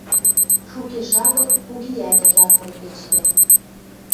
Шукеш агыл кугиӓт ыжаргын печкӓ